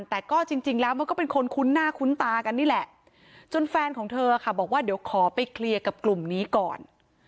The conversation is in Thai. แต่ก็จริงแล้วมันก็เป็นคนคุ้นหน้าคุ้นตากันนี่แหละจนแฟนของเธอค่ะบอกว่าเดี๋ยวขอไปเคลียร์กับกลุ่มนี้ก่อน